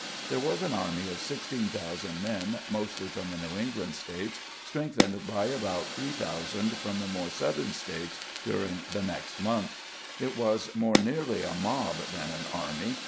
There was an army of sixteen thousand men mostly from the New England States strengthened by about three thousand from the more southern states during the next month. It was more nearly a mob than an army.